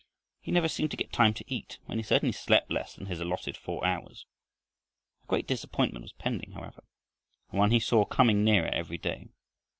He never seemed to get time to eat, and he certainly slept less than his allotted four hours. A great disappointment was pending, however, and one he saw coming nearer every day.